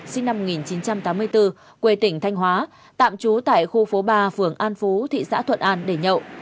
sinh năm một nghìn chín trăm tám mươi bốn quê tỉnh thanh hóa tạm trú tại khu phố ba phường an phú thị xã thuận an để nhậu